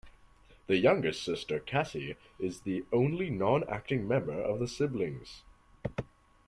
The youngest sister Cassie is the only non-acting member of the siblings.